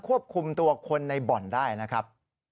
ควบคุมตัวคนในบ่อนได้นะครับ